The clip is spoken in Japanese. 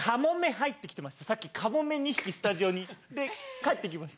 さっきかもめ２匹スタジオにで帰って行きました。